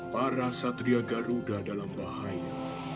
para satria garuda dalam bahaya